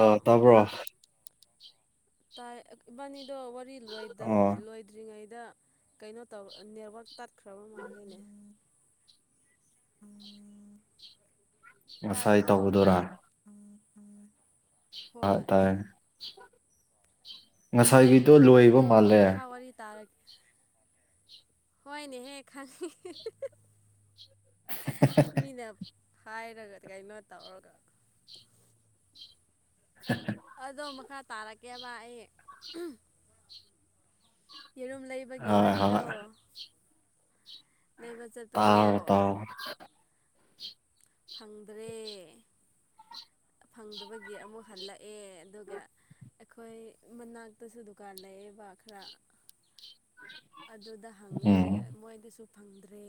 ꯑ ꯇꯕ꯭ꯔꯣ꯫ ꯇꯥꯏ ꯏꯕꯥꯅꯤꯗꯣ ꯑꯣ ꯋꯥꯔꯤ ꯗ꯭ꯔꯤꯉꯩꯗ ꯀꯩꯅꯣ ꯇꯧ ꯅꯦꯠꯋꯥꯛ ꯇꯥꯠꯈ꯭ꯔꯕ ꯃꯥꯂꯦꯅꯦ ꯉꯁꯥꯏ ꯇꯥꯏꯀꯣ ꯑꯣ ꯇꯧꯕꯗꯨꯔꯥ ꯑꯣ ꯑ ꯇꯥꯏ ꯉꯁꯥꯏꯒꯤꯗꯣ ꯂꯣꯏꯕ ꯃꯥꯜꯂꯦ꯫ ꯀꯔꯤ ꯇꯥꯔꯛ ꯍꯅꯦꯍꯦ ꯈꯪꯏ ꯃꯤꯅꯥ ꯍꯥꯏꯔꯒꯗꯤ ꯀꯩꯅꯣ ꯇꯧꯔꯒ ꯁ ꯑꯗꯣ ꯃꯈꯥ ꯇꯥꯔꯛꯀꯦꯕ ꯑꯩ ꯌꯦꯔꯨꯝ ꯂꯩꯕꯒꯤ ꯍꯣꯏ ꯋꯥꯔꯤꯗꯣ ꯍꯣꯏ ꯅꯦꯕ ꯑꯥꯎꯗꯥꯎ ꯐꯪꯗ꯭ꯔꯦ ꯐꯪꯗꯕꯒꯤ ꯑꯃꯨꯛ ꯍꯜꯂꯛꯑꯦ ꯑꯗꯨꯒ ꯑꯩꯈꯣꯏ ꯃꯅꯥꯛꯇꯁꯨ ꯗꯨꯀꯥꯟ ꯂꯩꯌꯦꯕ ꯈꯔ ꯑꯗꯨꯗ ꯍꯪꯉꯦ ꯎꯝ ꯃꯣꯏꯗꯤꯁꯨ ꯐꯪꯗ꯭ꯔꯦ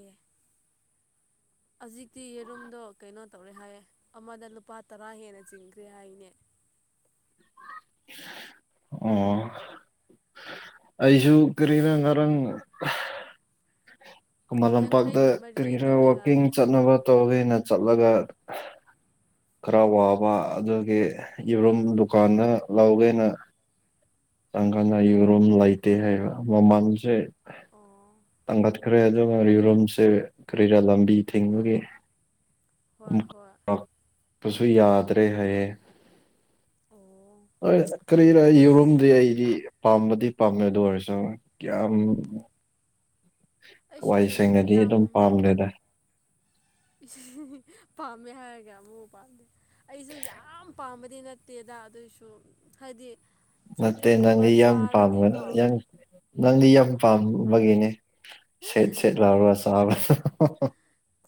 ꯍꯧꯖꯤꯛꯇꯤ ꯌꯦꯔꯨꯝꯗꯣ ꯀꯩꯅꯣ ꯇꯧꯔꯦ ꯍꯥꯏꯌꯦ ꯑꯃꯗ ꯂꯨꯄꯥ ꯇꯔꯥ ꯍꯦꯟꯅ ꯆꯤꯡꯈ꯭ꯔꯦ ꯍꯥꯏꯅꯦ꯫ ꯑꯣ ꯑꯩꯁꯨ ꯀꯔꯤꯅꯣ ꯉꯔꯥꯡ ꯈꯨꯃꯟ ꯂꯝꯄꯥꯛꯇ ꯌꯥꯡꯈꯩꯒꯤ ꯃꯔꯤ ꯀꯔꯤ ꯈꯔ ꯇꯧꯋꯦ ꯍꯥꯏ ꯋꯥꯛꯀꯤꯡ ꯆꯠꯅꯕ ꯑ ꯇꯧꯒꯤꯅ ꯆꯠꯂꯒ ꯈꯔ ꯋꯥꯕ ꯑꯗꯨꯒꯤ ꯌꯦꯔꯨꯝ ꯑꯥ ꯗꯨꯀꯥꯟꯗ ꯂꯧꯒꯦꯅ꯫ ꯇꯪꯒꯥꯅꯏ ꯔꯨꯝ ꯂꯩꯥꯏꯇꯦ ꯍꯥꯏꯕꯃꯁꯦ ꯑꯣ ꯇꯒꯥ ꯈꯔꯦ ꯑꯗꯨꯒꯔꯤꯔꯨꯝꯁꯦ ꯀꯔꯤꯔꯥ ꯂꯝꯕꯤ ꯊꯤꯡꯕꯒꯤꯦ ꯍꯣꯏ ꯍꯣꯏ [unintelligible] ꯁꯨ ꯌꯥꯗ꯭ꯔꯦ ꯍꯥꯏꯌꯦ ꯑꯣ ꯍ ꯀꯔꯤꯔ ꯑꯁ ꯌꯔꯣꯝꯗꯤ ꯑꯩꯗꯤ ꯄꯥꯝꯕꯗꯤ ꯄꯥꯝꯃꯦ ꯑꯗꯨ ꯑꯣꯏꯔꯁꯨ ꯀꯌꯥꯝ꯫ ꯑꯩꯁꯨ ꯍꯋꯥꯏ ꯁꯦꯡꯅꯗꯤ ꯌꯥꯝ ꯑꯗꯨꯝ ꯄꯥꯝꯂꯦꯗ꯫ ꯄꯥꯝꯃꯦ ꯍꯥꯏꯔꯒ ꯑꯃꯨꯛ ꯄꯥꯝꯗꯦ ꯑꯩꯁꯨ ꯌꯥꯝ ꯄꯥꯝꯕꯗꯤ ꯅꯠꯇꯦ ꯇꯦꯗ ꯑꯗꯨꯑꯣꯏꯁꯨ ꯍꯥꯏꯗꯤ ꯅꯠꯇꯦ ꯆꯝꯐꯨꯠꯀꯨꯝꯕ ꯅꯪꯗꯤ ꯌꯥꯝ ꯆꯥꯔꯗꯤꯀꯣ꯫ ꯄꯥꯝꯕꯅ ꯌꯥꯝ ꯅꯪꯗꯤ ꯌꯥꯝ ꯄꯥꯝꯕꯒꯤꯅꯦ ꯁꯦꯠ ꯁꯦꯠ ꯍꯥꯏꯗꯤ ꯂꯥꯎꯔꯣ ꯆꯥ [unintelligible]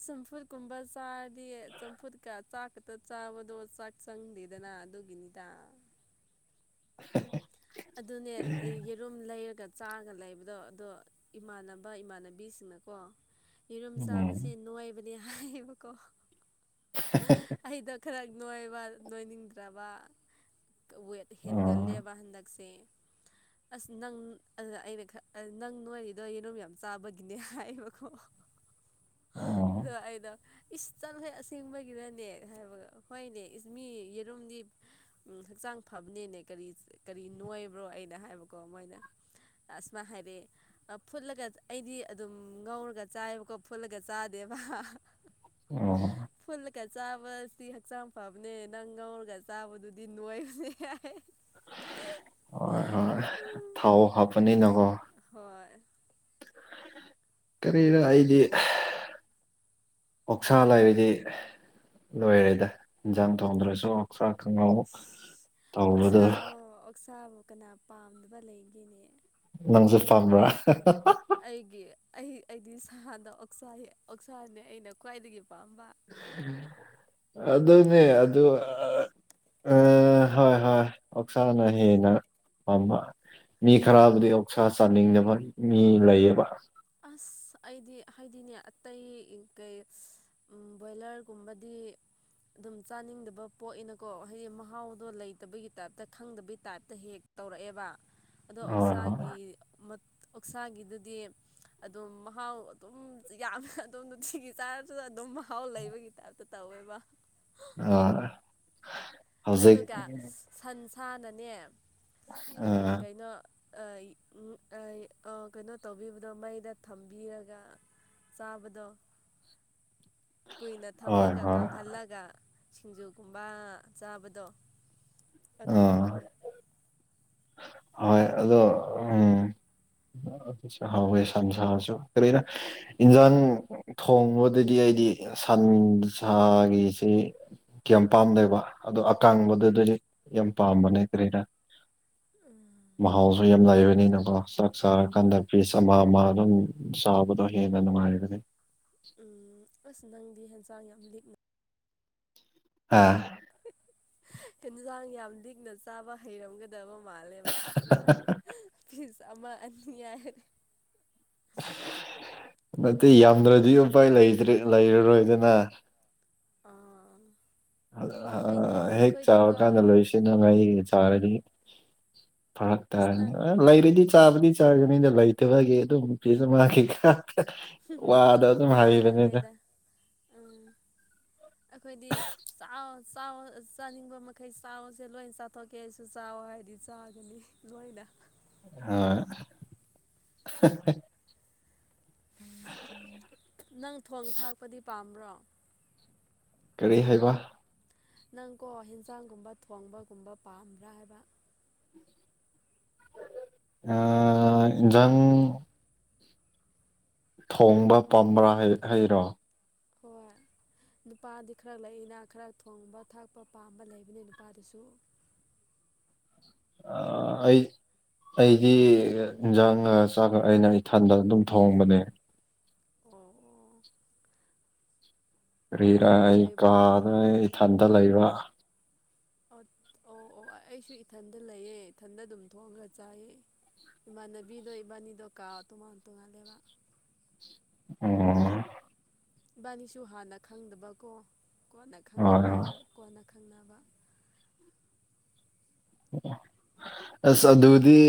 ꯆꯝꯐꯨꯠ ꯀꯨꯝꯕ ꯆꯥꯔꯗꯤ ꯆꯝꯐꯨꯠꯀ ꯆꯥꯛ ꯈꯛꯇ ꯆꯥꯕꯗꯣ ꯆꯥꯛ ꯆꯪꯗꯦꯗꯅ ꯑꯗꯨꯒꯤꯅꯤ ꯇ ꯍ ꯍ ꯑꯗꯨꯅꯦ ꯑꯩ ꯔꯨꯝ ꯂꯩꯔꯒ ꯆꯥꯔꯒ ꯂꯩꯕꯗꯣ ꯑꯗꯣ ꯏꯃꯥꯟꯅꯕ ꯏꯃꯥꯟꯅꯕꯤꯁꯤꯡꯅꯀꯣ ꯌꯦꯔꯨꯝ ꯎꯝ ꯆꯥꯕꯁꯦ ꯅꯨꯡꯣꯏꯕꯅꯦ ꯍꯥꯏꯌꯦꯕꯀꯣ ꯍ ꯑꯩꯗꯣ ꯅꯣꯏꯕ ꯅꯣꯏꯅꯤꯡꯗ꯭ꯔꯕ ꯀ ꯋꯦꯠ ꯑꯣ ꯍꯦꯟꯒꯠꯂꯦꯕ ꯍꯟꯗꯛꯁꯦ꯫ ꯑꯁ ꯅꯪ ꯑꯗꯨꯗ ꯑꯩꯅ ꯈ ꯅꯪ ꯅꯣꯏꯔꯤꯗꯣ ꯌꯦꯅꯨꯝꯝ ꯌꯥꯝ ꯆꯥꯕꯒꯤꯅꯦ ꯍꯥꯏꯌꯦꯕꯀꯣ [unintelligible] ꯑꯣ ꯑ ꯑꯩꯅ ꯏꯁꯇꯅ ꯍꯣꯏ ꯑꯁꯦꯡꯕꯒꯤꯅꯅꯦ ꯍꯥꯏꯕ ꯍꯣꯏꯅꯦ ꯃꯤ ꯌꯦꯔꯨꯝꯗꯤ ꯎꯝ ꯍꯛꯆꯥꯡ ꯐꯕꯅꯦꯅꯦ ꯀꯔꯤ ꯀꯔꯤ ꯅꯣꯏꯕ꯭ꯔꯣ ꯑꯩꯅ ꯍꯥꯏꯕꯀꯣ ꯃꯣꯏꯅ ꯑꯁ ꯁꯨꯃꯥ ꯍꯥꯏ ꯔꯦ ꯑ ꯐꯨꯠꯂꯒ ꯑꯩꯗꯤ ꯑꯗꯨꯝ ꯉꯧꯔꯒ ꯆꯥꯏꯑꯕꯀꯣ ꯐꯨꯠꯂꯒ ꯆꯥꯗꯦꯕ꯫ ꯑꯣ ꯐꯨꯜꯂꯒ ꯆꯥꯕꯁꯤ ꯍꯛꯆꯥꯡ ꯐꯕꯅꯦ ꯅꯪ ꯉꯧꯔꯒ ꯆꯥꯕꯗꯨ ꯑꯗꯨꯗꯤ ꯅꯣꯏꯕꯅꯦ ꯍꯥꯏ ꯍ ꯍꯣꯏ ꯊꯥꯎ ꯍꯥꯄꯅꯤ ꯅꯉꯣ ꯍꯣꯏ ꯀꯔꯤꯔꯣ ꯑꯩꯗꯤ ꯑꯣꯛꯁꯥ ꯂꯩꯔꯤꯗꯤ ꯂꯣꯏꯔꯦꯗ ꯏꯟꯖꯥꯡ ꯊꯣꯡꯗ꯭ꯔꯁꯨ ꯆꯥꯛ ꯊꯣꯡꯔꯥꯎ ꯑꯁ ꯑꯣꯛꯁꯥ ꯑꯣꯛꯁꯥꯕꯨ ꯀꯅꯥ ꯄꯥꯝꯗꯕ ꯂꯩꯒꯦꯅꯦ ꯅꯪꯁꯨ ꯄꯝꯕ꯭ꯔꯥ [unintelligible] ꯑꯩꯒꯤ ꯑꯩ ꯑꯩꯗꯤ ꯁꯥꯗ ꯑꯣꯛꯁꯥꯏꯌꯦ ꯑꯣꯛꯁꯥꯅꯦ ꯑꯩꯅ ꯈ꯭ꯋꯥꯏꯗꯒꯤ ꯄꯥꯝꯕ ꯑꯗꯨ ꯑꯗꯨꯅꯦ ꯑ ꯑꯥ ꯍꯣꯏ ꯍꯣꯏ ꯑꯣꯛꯁꯥꯅ ꯍꯦꯟꯅ ꯄꯥꯝꯕ ꯃꯤ ꯎꯝ ꯈꯔꯕꯨꯗꯤ ꯑꯣꯛꯁꯥ ꯆꯥꯅꯤꯡꯅꯕ ꯃꯤ ꯂꯩꯌꯦꯕ ꯑꯁ ꯑꯩꯗꯤ ꯍꯥꯏꯗꯤꯅꯦ ꯑꯇꯩ ꯀꯩ ꯎꯝ ꯕꯣꯏꯂꯔꯒꯨꯝꯕꯗꯤ ꯑꯗꯨꯝ ꯆꯥꯅꯤꯡꯗꯕ ꯄꯣꯏꯅꯀꯣ ꯍꯥꯏꯗꯤ ꯃꯍꯥꯎꯗꯣ ꯂꯩꯇꯕꯒꯤ ꯇꯥꯏꯞꯇ ꯈꯪꯗꯕꯒꯤ ꯇꯥꯏꯞꯇ ꯍꯦꯛ ꯇꯧꯔꯛꯑꯦꯕ ꯑꯗꯣ ꯍꯣꯏ ꯍꯣꯏ ꯑꯣꯛꯁꯥꯒꯤ ꯃꯠ ꯑꯣꯛꯁꯥꯒꯤꯗꯨꯗꯤ ꯑꯗꯨꯝ ꯃꯍꯥꯎ ꯑꯗꯨꯝ ꯌꯥꯝꯅ ꯑꯗꯨꯣꯝ ꯅꯨꯡꯇꯤꯒꯤ ꯆꯥꯏꯞꯇꯗ ꯑꯗꯨꯝ ꯃꯍꯥꯎ ꯂꯩꯕꯒꯤ ꯇꯥꯏꯞ ꯇ ꯇꯧꯋꯦꯕ ꯍꯣꯢ ꯑꯗꯨꯒ ꯁꯟꯁꯥꯅꯅꯦ ꯑ ꯑꯥ ꯀꯩꯅꯣ ꯀꯩꯅꯣ ꯇꯧꯕꯤꯕꯗꯣ ꯃꯩꯗ ꯊꯝꯕꯤꯔꯒ ꯆꯥꯕꯗꯣ [unintelligible] ꯀꯨꯏꯅ ꯍꯣꯏ ꯊꯝꯃꯒ ꯍꯣꯏ ꯀꯪꯍꯜꯂꯒ ꯁꯤꯡꯖꯨꯒꯨꯝꯕ ꯆꯥꯕꯗꯣ ꯑꯗꯨꯝ ꯑꯥ ꯍꯥꯎꯋꯦ ꯍꯣꯏ ꯑꯗꯣ ꯎꯝ ꯍꯥꯎꯋꯦ ꯁꯟ ꯁꯥꯁꯨ ꯀꯔꯤꯔ ꯎꯝ ꯏꯟꯖꯥꯡ ꯊꯣꯡꯕꯗꯗꯤ ꯑꯩꯗꯤ ꯁꯟ ꯁꯥꯥꯒꯤꯁꯤ ꯀꯌꯥꯝ ꯄꯥꯝꯅꯩꯕ ꯑꯗꯣ ꯑꯀꯥꯡꯕꯗꯨꯗꯗꯤ ꯌꯥꯝ ꯄꯥꯝꯕꯅꯦ ꯀꯔꯤꯅ ꯎꯝ ꯃꯍꯥꯎꯁꯨ ꯌꯥꯝ ꯂꯩꯥꯏꯕꯅꯤꯅꯀꯣ ꯆꯥꯛ ꯍꯣꯏ ꯆꯥꯔꯀꯥꯟꯗ ꯐꯤꯁ ꯑꯃ ꯑꯃ ꯑꯗꯨꯝ ꯆꯥꯕꯗꯣ ꯍꯦꯟꯅ ꯅꯨꯡꯉꯥꯏꯔꯒꯅꯤ ꯎꯝ ꯑꯁ ꯅꯪꯗꯤ ꯍꯦꯟꯁꯥꯡ ꯌꯥꯝ ꯂꯤꯛꯅ ꯑꯥ ꯑꯦꯟꯖꯥꯡ ꯌꯥꯝ ꯂꯤꯛꯅ ꯆꯥꯕ ꯍꯩꯔꯝꯒꯗꯕ ꯃꯥꯜꯂꯦꯕ ꯄꯤꯁ ꯑꯃ ꯑꯅꯤ ꯌꯥꯔꯦ ꯅꯠꯇꯦ ꯌꯥꯝꯗ꯭ꯔꯗꯤ ꯎꯄꯥꯏ ꯂꯩꯇ꯭ꯔꯦ ꯂꯩꯔꯔꯣꯏꯗꯅ ꯑꯥ ꯑꯩꯗꯤ ꯍꯦꯛ ꯆꯥꯕ ꯑꯩꯈꯣꯏꯗꯤꯀꯣ ꯀꯥꯟꯗ ꯂꯣꯏ ꯆꯅ ꯃ ꯆꯔꯒꯤ ꯐꯔꯛ ꯑꯁ ꯇꯔꯅꯤ ꯅꯪ ꯑ ꯂꯩꯔꯗꯤ ꯆꯥꯕꯗꯤ ꯆꯥꯒꯅꯤꯅ ꯂꯩꯇꯕꯒꯤ ꯑꯗꯨꯝ ꯄꯤꯁꯨ ꯃꯥꯈꯤ [unintelligible] ꯋꯥꯗꯣ ꯑꯗꯨꯝ ꯍꯣꯏꯗ ꯍꯩꯕꯅꯤꯗ ꯍꯣꯏꯗ ꯎꯝ ꯑꯈꯣꯏꯗꯤ ꯆꯥꯎ ꯆꯥꯅꯤꯡꯕ ꯃꯈꯩ ꯆꯧꯁꯦ ꯂꯣꯏꯅ ꯆꯥꯊꯣꯛꯀꯦ ꯑꯩꯁꯨ ꯆꯥꯎꯋ ꯍꯥꯏꯗꯤ ꯆꯥꯒꯅꯤ ꯂꯣꯏꯅ ꯍ [unintelligible] ꯅꯪ ꯊꯣꯡ ꯊꯥꯛꯄꯗꯤ ꯄꯥꯝꯕ꯭ꯔꯣ ꯀꯔꯤ ꯍꯥꯏꯕ ꯅꯪꯀꯣ ꯍꯦꯟꯖꯥꯡꯒꯨꯝꯕ ꯊꯣꯡꯕꯒꯨꯝꯕ ꯄꯥꯝꯕ꯭ꯔꯥ ꯍꯥꯏꯕ ꯑꯥ ꯍꯦꯟꯖꯪ ꯊꯣꯡꯕ ꯄꯥꯝꯕ꯭ꯔꯥ ꯍꯩꯔꯣ ꯍꯣꯏ ꯅꯨꯄꯥꯗꯤ ꯈꯔ ꯂꯩꯏꯅ ꯈꯔ ꯊꯣꯡꯕ ꯊꯥꯛꯄ ꯄꯥꯝꯕ ꯂꯩꯕꯅꯤ ꯅꯨꯄꯥꯗꯁꯨ ꯑꯩ ꯑꯩꯗꯤ ꯏꯟꯖꯥꯡꯒ ꯆꯥꯛꯒ ꯑꯩꯅ ꯑꯩꯊꯟꯗ ꯑꯗꯨꯝ ꯊꯣꯡꯕꯅꯦ ꯑꯣ ꯑꯣ ꯀꯔꯤꯔ ꯅꯥꯊꯟꯇ ꯑꯩ ꯂꯩꯕ꯭ꯔꯥ ꯀꯥꯗꯅ ꯑꯩ ꯏꯊꯟꯇꯥ ꯂꯩꯕ ꯑꯠ ꯑꯣ ꯑꯣ ꯑꯩꯁꯨ ꯏꯊꯟꯗ ꯂꯩꯌꯦ ꯏꯊꯟꯗ ꯑꯗꯨꯝ ꯊꯣꯡꯑꯒ ꯆꯥꯏꯌꯦ ꯏꯃꯥꯟꯅꯕꯤꯗꯣ ꯏꯕꯥꯅꯤꯗꯣ ꯀꯥ ꯇꯉꯥꯟ ꯇꯣꯉꯥꯜꯂꯦꯕ ꯑꫭ ꯏꯕꯥꯅꯤꯁꯨ ꯍꯥꯟꯅ ꯈꯪꯗꯕꯀꯣ ꯀꯣꯟꯅ ꯍꯣꯏ ꯈꯪꯅ ꯍꯣꯏ ꯀꯣꯟꯅ ꯈꯪꯅꯕ ꯑꯁ ꯑꯩꯗꯤ ꯑꯗꯨꯗꯤ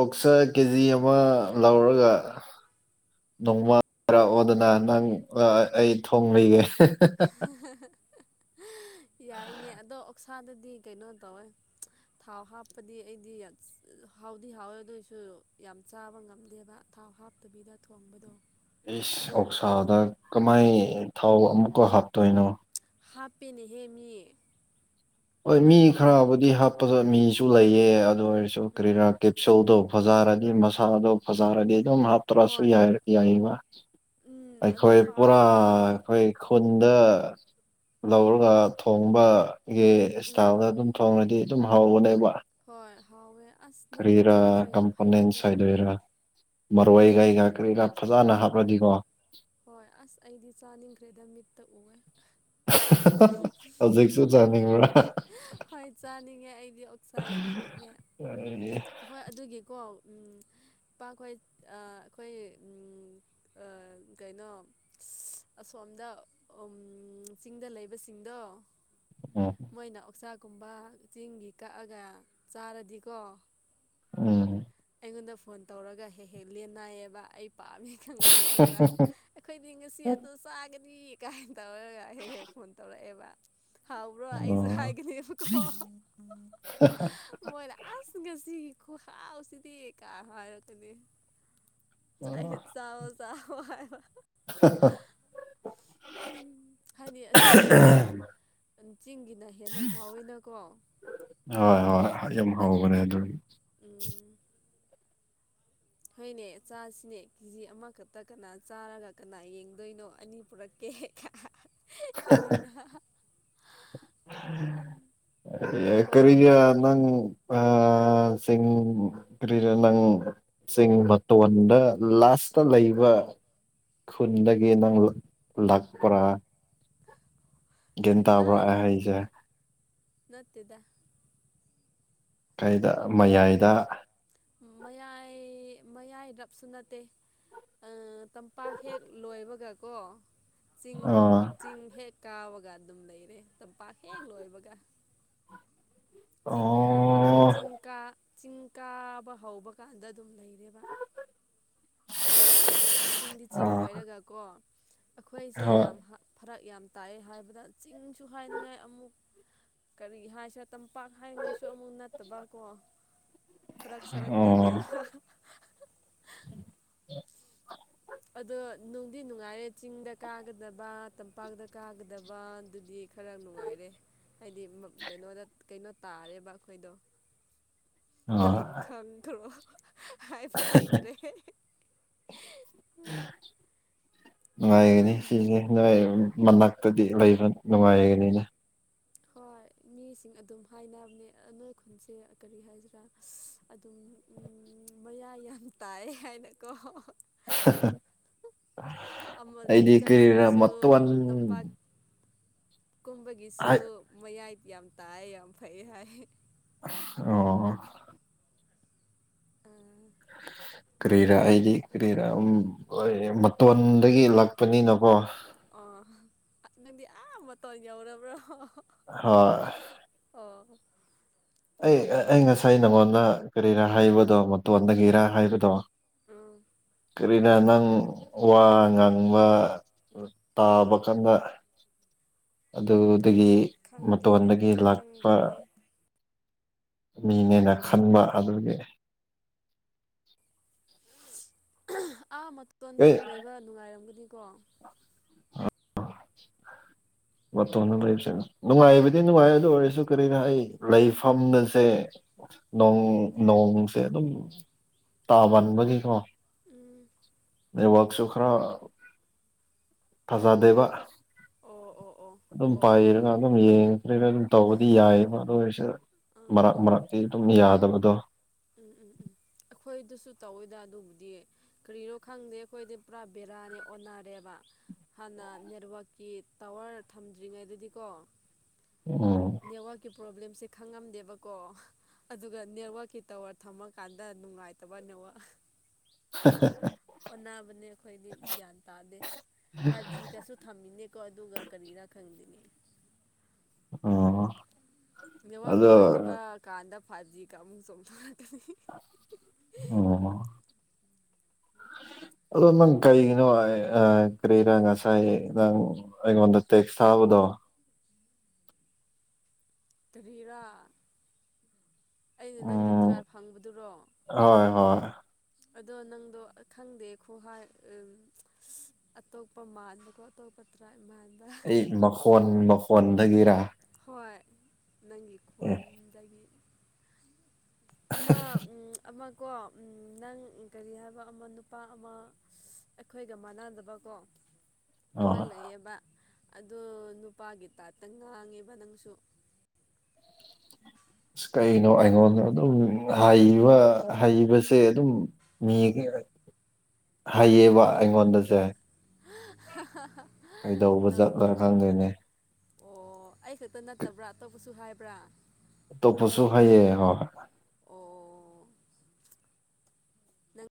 ꯑꯣꯛꯁ ꯀꯦ ꯖꯤ ꯑꯃ ꯂꯧꯔꯒ ꯅꯣꯡꯃ ꯥꯔꯛꯑꯣꯗꯅ ꯅꯪ ꯑꯩ ꯊꯣꯡꯕꯤꯒꯦ ꯌꯥꯏꯅꯦ ꯑꯗꯣ ꯑꯣꯛꯁꯥꯗꯨꯗꯤ ꯀꯩꯅꯣ ꯇꯧꯋꯦ ꯊꯥꯎ ꯍꯥꯞꯄꯗꯤ ꯑꯩꯗꯤ ꯍꯥꯎꯗꯤ ꯍꯥꯎꯋꯦ ꯑꯗꯨꯑꯣꯏꯁꯨ ꯌꯥꯝ ꯆꯥꯕ ꯉꯝꯗꯦꯕ ꯊꯥꯎ ꯍꯥꯞꯇꯕꯤꯗ ꯊꯣꯡꯕꯗꯣ ꯏꯁ ꯑꯗꯨꯅ ꯍꯥꯎꯋꯦ ꯑꯣꯛꯁꯥꯗ ꯀꯃꯥꯏ ꯊꯥꯎ ꯑꯃꯨꯛꯀ ꯍꯥꯞꯇꯣꯏꯅꯣ꯫ ꯍꯥꯞꯄꯦꯅꯦꯍꯦ ꯃꯤ ꯍꯣꯏ ꯃꯤ ꯑꯗꯨ ꯈꯔꯕꯨꯗꯤ ꯍꯥꯞꯄꯒ ꯃꯤꯁꯨ ꯂꯩꯌꯦ ꯑꯗꯨ ꯑꯣꯏꯔꯁꯨ ꯎꯝ ꯀꯔꯤꯔꯥ ꯀꯦꯞꯁꯨꯜꯗꯧ ꯐꯖꯥꯔꯗꯤ ꯃꯁꯥꯗꯣ ꯐꯖꯥꯔꯗꯤ ꯑꯗꯨꯝ ꯍꯥꯞ ꯇ꯭ꯔꯁꯨ ꯍꯣꯏ ꯌꯥꯏꯕ ꯎꯝ ꯑꯩꯈꯣꯏ ꯊꯥꯎ ꯄꯨꯔꯥ ꯊꯥꯎ ꯑꯩꯈꯣꯏ ꯈꯨꯟꯗ ꯂꯧꯔꯒ ꯊꯣꯡꯕꯒꯤ ꯏꯁꯇꯥꯜꯗ ꯎꯝ ꯑꯗꯨꯝ ꯊꯣꯡꯔꯗꯤ ꯑꯗꯨꯝ ꯍꯥꯎꯕꯅꯦꯕ ꯍꯣꯏ ꯍꯥꯎꯋꯦ ꯑꯁ ꯅꯪ ꯈꯔꯤꯔ ꯊꯣꯡꯕ ꯌꯥꯝ ꯀꯝꯄꫭꯅꯦꯟ ꯍꯩꯔꯝꯒꯗꯕ ꯁꯥꯏꯗ ꯃꯥꯜꯂꯦ ꯑꫭꯏꯗꫭꯔ ꯃꯔꯣꯏ ꯎꯝ ꯀꯩꯒꯥ ꯀꯔꯤꯀꯥ ꯐꯖꯅ ꯍꯣꯏ ꯍꯣꯏ ꯍꯥꯞꯔꯗꯤꯀꯣ ꯍꯣꯏ ꯑꯁ ꯑꯩꯗꯤ ꯆꯥꯅꯤꯡꯈ꯭ꯔꯦꯗ ꯃꯤꯠꯇ ꯎꯑꯦ ꯍꯧꯖꯤꯛꯁꯨ ꯆꯥꯅꯤꯡꯕ꯭ꯔꯥ ꯍꯣꯏ ꯆꯥꯅꯤꯡꯉꯦ ꯑꯩꯗꯤ ꯑꯣꯛꯁꯥ ꯌꯥꯝ ꯄꯥꯝꯃꯦ ꯐ [unintelligible] ꯑꯩꯈꯣꯏ ꯑꯗꯨꯒꯤ ꯀꯣ ꯎꯝ ꯏꯄꯥ ꯅꫭꯏ ꯑꯥ ꯑꯩꯈꯣꯏ ꯎꯝ ꯑꯥ ꯀꯩꯅꫭ ꯑꯁꯣꯝꯗ ꯆꯤꯡꯗ ꯂꯩꯕꯁꯤꯡꯗꯣ ꯎꯝ ꯃꯣꯏꯅ ꯑꯣꯛꯁꯥ‌ ꯒꯨꯝꯕ ꯆꯤꯡꯒꯤ ꯀꯛꯑꯒ ꯆꯥꯔꯗꯤꯀꯣ ꯎꯝ ꯑꯩꯉꯣꯟꯗ ꯐꯣꯟ ꯇꯧꯔꯒ ꯍꯦꯛ ꯍꯦꯛ ꯂꯦꯟ ꯅꯥꯏꯌꯦꯕ ꯑꯩ ꯄꯥꯝꯃꯦ ꯈꯪꯕꯒꯤ ꯈꯪꯕ꯭ꯔꯥ꯫ ꯑꯩꯈꯣꯏꯗꯤ ꯉꯁꯤ ꯑꯗꯨ ꯆꯥꯒꯅꯤ ꯀꯥꯏꯅ ꯇꯧꯔꯒ ꯍꯦꯛ ꯍꯦꯛ ꯐꯣꯟ ꯇꯧꯔꯛꯑꯦꯕ ꯎꯝ ꯍꯥꯎꯕ꯭ꯔꯣ ꯑꯩꯖꯨ ꯍꯥꯏꯒꯅꯦꯕꯀꯣ ꯃꯣꯏꯅ ꯑꯥꯁ ꯉꯁꯤꯒꯤ ꯈꯍꯥꯎꯁꯤꯗꯤ ꯀꯥ ꯍꯥꯏꯔꯛꯀꯅꯤ ꯑꯩꯅ ꯆꯥꯏ ꯆꯥꯎꯋꫭ ꯆꯥꯎꯋꫭ ꯍꯥꯏꯕ [inaudible] ꯎꯝ ꯍꯥꯏꯗꯤ ꯑꯁꯤꯒꯤ ꯆꯤꯡꯒꯤꯅ ꯍꯦꯟꯅ ꯍꯥꯎꯋꯤꯅꯀꯣ ꯍꯣꯏ ꯍꯣꯏ ꯌꯥꯝ ꯍꯥꯎꯕꯅꯦ ꯑꯗꯨ ꯎꯝ ꯍꯣꯏꯅꯦ ꯑꯆꯥꯁꯤꯅꯦ ꯀꯦꯖꯤ ꯑꯃꯈꯛꯇ ꯀꯅꯥ ꯆꯥꯔꯒ ꯀꯅꯥ ꯌꯦꯡꯗꯣꯏꯅꯣ ꯑꯅꯤ ꯄꯨꯔꯛꯀꯦ [unintelligible] ꯀꯥꯏꯅ ꯑꯦ ꯀꯣ ꯀꯔꯤꯒꯤꫪ ꯅꯪ ꯑ ꯆꯤꯡ ꯀꫪꯤꫪ‌‌ ꯅꯪ ꯆꯤꯡ ꯃꯇꫭꯟꯗꯥ ꯂꯥꯁꯇ ꯂꯩꯕ ꯈꯨꯟꯗꯒꯤ ꯅꯪ ꯂꯥꯛꯄꯔꯥ ꯂꯥꯜ ꯑꯩ ꯍꯥꯏꯁꯦ ꯅꯠꯇꯦꯗꯥ ꯀꯩꯗ ꯃꯌꯥꯏꯗ ꯃꯌꯥꯏ ꯃꯌꯥꯏꯔꯞꯁꯨ ꯅꯠꯇꯦ ꯇꯝꯄꯥꯛ ꯍꯦꯛ ꯂꯣꯏꯕꯒ ꯀꯣ ꯆꯤꯡ ꯑꯥ ꯆꯤꯡ ꯍꯦꯛ ꯀꯥꯕꯒ ꯑꯗꯨꯝ ꯂꯩꯔꯦ ꯇꯝꯄꯥꯛ ꯍꯦꯛ ꯂꯣꯏꯕꯒ ꯆꯤꯡ ꯀꯥꯕ ꯑꯣ ꯆꯤꯡ ꯀꯥ - ꯆꯤꯡ ꯀꯥꯕ ꯍꯧꯕ ꯀꯥꯟꯗ ꯑꯗꯨꯝ ꯂꯩꯔꯦꯕ [unintelligible] ꯆꯤꯡꯗꯤ ꯆꯤꯡ ꯑꯥ ꯑꯣꯏꯔꯒꯀꯣ ꯑꯩꯈꯣꯏꯁꯦ ꯍꯣꯏ ꯌꯥꯝ ꯍꯛ ꯐꯔꯛ ꯌꯥꯝ ꯇꯥꯏꯌꯦ ꯍꯥꯏꯕꯗ ꯆꯤꯡꯁꯨ ꯍꯥꯏꯅꯤꯡꯉꯥꯏ ꯑꯃꯨꯛ ꯀꯔꯤ ꯍꯥꯏꯁꯦ ꯇꯝꯄꯥꯛ ꯍꯥꯏꯉꯥꯏꯁꯨ ꯑꯃꯨꯛ ꯅꯠꯇꯕꯀꯣ ꯐꯔꯛ ꯁꯔꯛꯇ ꯑꯣ ꯂꯩ [unintelligible] ꯑꯗꯣ ꯅꯨꯡꯗꯤ ꯅꯨꯡꯉꯥꯏꯌꯦ ꯆꯤꯡꯗ ꯀꯥꯒꯗꯕ ꯇꯝꯄꯥꯛꯇ ꯀꯥꯒꯗꯕ ꯑꯗꯨꯗꯤ ꯈꯔ ꯅꯨꯡꯉꯥꯏꯔꯦ ꯍꯥꯏꯗꯤ ꯃꯛ ꯀꯩꯅꯣꯗ ꯀꯩꯅꯣ ꯇꯥꯔꯦꯕ ꯑꯩꯈꯣꯏꯗꯣ ꯑꯗꯨꯝ ꯑꯥ ꯈꯪꯗ꯭ꯔꯣ [unintelligible] ꯍꯥꯏꯕ ꯍꯩꯇ꯭ꯔꯦ [inaudible] ꯍꯩ ꯅꯨꯡꯉꯥꯏꯒꯅꯤ ꯁꯤꯁꯦ ꯅꯣꯏ ꯃꯅꯥꯛꯇꯗꯤ ꯂꯩꯕ ꯅꯨꯡꯉꯥꯏꯒꯅꯤꯅ ꯍꯣꯏ ꯃꯤꯁꯤꯡ ꯑꯗꯨꯝ ꯍꯥꯏꯅꯕꯅꯦ ꯑꯥ ꯅꯣꯏ ꯈꯨꯟꯁꯦ ꯀꯔꯤ ꯍꯥꯏꯁꯤꯔꯥ ꯑꯗꯨꯝ ꯎꯝ ꯃꯌꯥꯏ ꯌꯥꯝ ꯇꯥꯏꯌꯦ ꯍꯥꯏꯅꯀꯣ [unintelligible] ꯑꯃ ꯆꯤꯡ ꯑꯩꯗꯤ ꯀꯔꯤꯔ ꯆꯠꯄꯒꯤꯁꯨ ꯃꯇꯣꯟ ꯇꯝꯄꯥꯛ ꯀꯨꯝꯕꯒꯤꯁꯨ ꯍꯥꯏ ꯃꯌꯥꯏ ꯌꯥꯝ ꯇꯥꯏ ꯌꯥꯝ ꯐꯩ ꯍꯥꯏ ꯑꯣ ꯎꯝ ꯀꯔꯤꯔꯥ ꯑꯩꯒꯤ ꯀꯔꯤꯔꯥ ꯎꯝ ꯍꯣꯏ ꯃꯇꯣꯟꯗꯒꯤ ꯂꯥꯛꯄꯅꯤꯅꯀꯣ ꯑꯣ ꯅꯪꯗꯤ ꯑꯥ ꯃꯇꯣꯟ ꯌꯧꯔꯕ꯭ꯔꯣ [unintelligible] ꯍꯣꯏ ꯑꯣꯍꯣ ꯑꯩ ꯑꯩ ꯉꯁꯥꯏ ꯅꯉꯣꯟꯗ ꯀꯔꯤꯔꯥ ꯍꯥꯏꯕꯗꯣ ꯃꯇꯣꯟꯗꯒꯤꯔ ꯍꯥꯏꯕꯗꯣ ꯎꯝ ꯀꯔꯤꯔꯥ ꯅꯪ ꯋꯥ ꯉꯥꯡꯕ ꯇꯥꯕ ꯀꯥꯟꯗ ꯑꯗꯨꯗꯒꯤ ꯑꯁ ꯈꯪꯗ꯭ꯔꯦꯍꯦ ꯃꯇꯣꯟꯗꯒꯤ ꯂꯥꯛꯄ ꯈꯪꯗ꯭ꯔꯦꯍꯦ ꯃꯤꯅꯦꯅ ꯈꯟꯕ ꯑꯗꯨꯒꯤ [unintelligible] ꯑꯥ ꯑꯦ ꯃꯇꯣꯟꯗꯁꯨ ꯂꯩꯕ ꯅꯨꯡꯉꯥꯏꯔꯝꯒꯅꯤꯀꯣ ꯃꯇꯣꯟꯗ ꯂꯩꯕꯁꯦ ꯎꯝ ꯅꯨꯡꯉꯥꯏꯕꯗꯤ ꯅꯨꯡꯉꯥꯏꯌꯦ ꯑꯗꯨ ꯑꯣꯏꯔꯁꯨ ꯀꯔꯤꯔꯥ ꯑꯩ ꯂꯩꯐꯝꯅꯁꯦ ꯅꯣꯡ ꯅꯣꯡꯁꯦ ꯑꯗꯨꯝ ꯇꯥꯃꯟꯕꯒꯤꯀꯣ ꯎꯝ ꯅꯦꯠꯋꯥꯛꯁꯨ ꯈꯔ ꯐꯖꯗꯦꯕ ꯑꯣ ꯑꯣ ꯑꯣ ꯗꯨꯝ ꯑꯣ ꯑꯣ ꯑꯣ ꯄꯥꯏꯔꯒ ꯑꯗꯨꯝ ꯌꯦꯡꯈ꯭ꯔꯦꯗ ꯑꯗꯨꯝ ꯇꯧꯕꯗꯤ ꯌꯥꯏꯌꯦꯕ ꯑꯗꯨ ꯑꯣꯏꯔꯁꯨ ꯃꯔꯛ ꯑꯥ ꯃꯔꯛꯇꯤ ꯑꯗꯨꯝ ꯌꯥꯗꯕꯗꯣ ꯎꯝ ꯎꯝ ꯎꯝ ꯑꯩꯈꯣꯏꯗꯁꯨ ꯇꯧꯋꯦꯗ ꯑꯗꯨꯕꯨꯗꯤ ꯀꯔꯤꯔꯣ ꯈꯪꯗꯦ ꯑꯩꯈꯣꯏꯗꯤ ꯄꯨꯔꯥ ꯕꯦꯔꯥꯅꯦ ꯑꯣꯟꯅꯔꯦꯕ ꯍꯥꯟꯅ ꯅꯦꯠꯋꯥꯛꯀꯤ ꯇꯥꯋꯔ ꯊꯝꯗ꯭ꯔꯤꯉꯩꯗꯗꯤꯀꯣ ꯎꯝ ꯅꯦꯠꯋꯥꯛꯀꯤ ꯄ꯭ꯔꯣꯕ꯭ꯂꯦꯝꯁꯦ ꯈꯪꯉꯝꯗꯦꯕꯀꯣ ꯑꯗꯨꯒ ꯅꯦꯠꯋꯥꯛꯀꯤ ꯇꯋꯥꯔ ꯊꯝꯃꯀꯥꯟꯗ ꯅꯨꯡꯉꯥꯏꯇꯕ ꯅꯦꯠꯋꯥꯛ [unintelligible] ꯑꯣꯟꯅꯕꯅꯦ ꯑꯈꯣꯏꯗꯤ ꯒ꯭ꯌꯥꯟ ꯇꯥꯗꯦ ꯐꯥꯏꯚ ꯖꯤꯒꯁꯨ ꯊꯝꯃꯤꯅꯦꯀꯣ ꯑꯗꯨꯒ ꯀꯔꯤꯔꯥ ꯈꯪꯗꯦꯅꯦ ꯎꯝ ꯅꯦꯠꯋꯥꯛ ꯅꯨꯡꯉꯥꯏꯇꯕ ꯀꯥꯟꯗ ꯐꯥꯏꯚ ꯖꯤꯒ ꯑꯃꯨꯛ ꯆꯣꯡꯊꯣꯔꯛꯀꯅꯤ ꯑꯣ ꯑꯗꯣ ꯅꯪ ꯀꯩꯒꯤꯅꯣ ꯑ ꯑ ꯀꯔꯤꯔꯥ ꯉꯁꯥꯏ ꯅꯪ ꯑꯩꯉꯣꯟꯗ ꯇꯦꯛꯁ ꯊꯥꯕꯗꯣ ꯀꯔꯤꯔꯥ ꯑꯩꯅ ꯅꯪꯒꯤ ꯎꯝ ꯇ꯭ꯔꯥꯞ ꯍꯪꯕꯗꯨꯔꯣ꯫ ꯍꯣꯏ ꯍꯣꯏ ꯑꯗꯣ ꯅꯪꯗꯣ ꯈꯪꯗꯦ ꯈꯨꯍꯥꯏ ꯑꯇꯣꯞꯄ ꯃꯜꯕꯀꯣ ꯑꯇꯣꯞꯄ ꯇꯔꯥꯢꯕ ꯃꯥꯟꯕ꯫ ꯑꯩ ꯃꯈꯣꯟ ꯃꯈꯣꯟꯗꯒꯤꯔꯥ꯫ ꯍꯣꯏ ꯅꯪꯒꯤ ꯈꯣꯟꯗꯒꯤ꯫ ꯑꯃ ꯑꯝ ꯑꯃ ꯑꯝ ꯑꯃꯀꯣ ꯅꯪ ꯀꯔꯤ ꯍꯥꯏꯕ ꯑꯃ ꯅꯨꯄꯥ ꯑꯃ ꯑꯩꯈꯣꯏꯒ ꯃꯥꯟꯅꯗꯕ ꯀꯣ꯫ ꯑꯣ ꯑꯃ ꯂꯩꯌꯦꯕ ꯑꯗꯣ ꯅꯨꯄꯥꯒꯤ ꯇꯥꯏꯞꯇ ꯉꯥꯡꯉꯦꯕ ꯅꯪꯁꯨ꯫ ꯑꯁ ꯀꯩꯅꯣ ꯑꯩꯉꯣꯟꯗ ꯑꯗꯨꯝ ꯍꯥꯢꯕ ꯍꯥꯢꯕꯤꯕꯁꯦ ꯑꯗꯨꯝ ꯃꯤꯒꯤ ꯍꯥꯌꯦꯕ ꯑꯩꯉꯣꯟꯗꯁꯨ ꯍꯥ ꯍꯥ ꯍꯥ ꯖꯠꯂ ꯅꯣꯛꯅꯤꯡꯉꯤ ꯈꯪꯗꯦꯅꯦ ꯑꯣ ꯑꯩ ꯈꯛꯇ ꯅꯠꯇꯕ꯭ꯔꯥ ꯑꯇꯣꯞꯄꯁꯨ ꯍꯥꯏꯕ꯭ꯔꯥ꯫ ꯑꯇꯣꯞꯄꯁꯨ ꯍꯥꯢꯑꯦ ꯍꯣꯏ ꯫ ꯑꯣ ꯑꯣ꯫ ꯅꯪ